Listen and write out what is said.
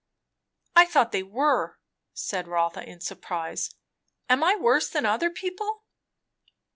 "I thought they were," said Rotha in surprise. "Am I worse than other people?"